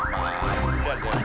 pak gimana dengan dianra pak